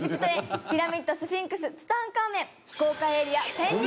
ピラミッドスフィンクスツタンカーメン非公開エリア潜入